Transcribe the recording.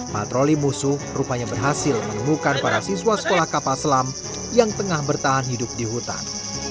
patroli musuh rupanya berhasil menemukan para siswa sekolah kapal selam yang tengah bertahan hidup di hutan